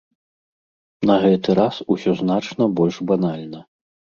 На гэты раз усё значна больш банальна.